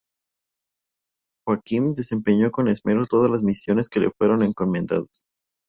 Joaquim desempeñó con esmero todas las misiones que le fueron encomendadas.